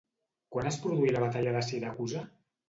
Quan es produí la batalla de Siracusa?